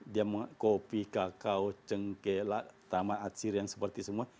dia menghasilkan kopi kakao cengkelat tamar atsir yang seperti semua